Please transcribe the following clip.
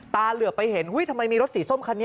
เหลือไปเห็นทำไมมีรถสีส้มคันนี้